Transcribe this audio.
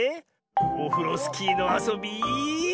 オフロスキーのあそび。